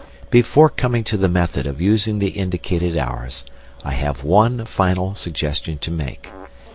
Before coming to the method of using the indicated hours, I have one final suggestion to make.